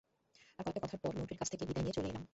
আর কয়েকটা কথার পর মন্ত্রীর কাছ থেকে বিদায় নিয়ে চলে এলাম।